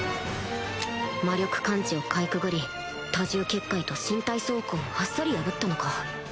魔力感知をかいくぐり多重結界と身体装甲をあっさり破ったのか